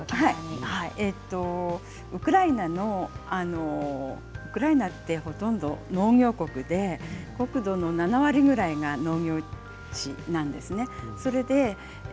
ウクライナの、ウクライナって農業国で国土の７割ぐらいが農業地なんです。